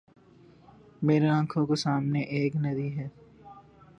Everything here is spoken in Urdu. میرے آنکھوں کو سامنے ایک ندی ہے